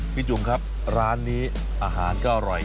จุ๋มครับร้านนี้อาหารก็อร่อย